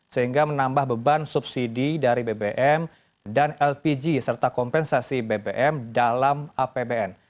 sehingga menambah beban subsidi dari bbm dan lpg serta kompensasi bbm dalam apbn